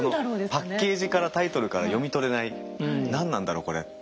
そのパッケージからタイトルから読み取れない何なんだろうこれって。